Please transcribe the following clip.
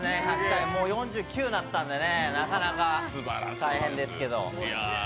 もう４９になったのでなかなか大変ですけど。